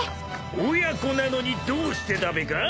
［親子なのにどうしてだべか？］